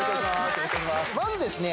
まずですね